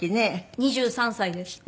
２３歳でした。